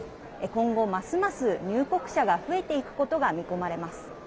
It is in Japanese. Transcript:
今後、ますます入国者が増えていくことが見込まれます。